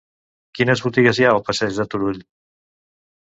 Quines botigues hi ha al passeig de Turull?